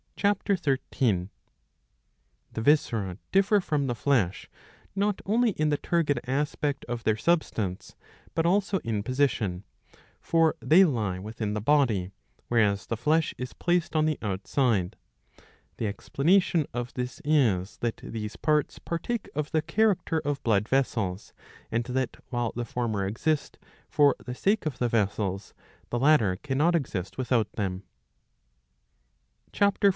13.^ The viscera differ from the flesh not only in the turgid aspect of their substance, but also in position ; for they lie within the body, whereas the flesh is placed on the outside. The expla nation of this is that these parts partake of the character of blood vessels, and that while the former exist for the sake of the vessels, the latter cannot exist without them.^ (Ch. i/!if.)